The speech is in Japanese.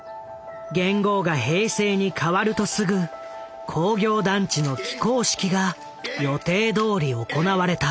元号が平成に変わるとすぐ工業団地の起工式が予定どおり行われた。